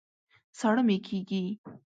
ساړه مي کېږي